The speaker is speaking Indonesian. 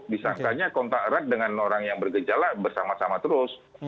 disangkanya kontak erat dengan orang yang bergejala bersama sama terus